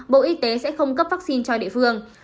bộ y tế sẽ không cấp vaccine cho địa phương